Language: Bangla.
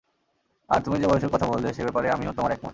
আর তুমি যে বয়সের কথা বললে, সে ব্যাপারে আমিও তোমার মত।